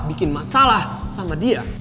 bikin masalah sama dia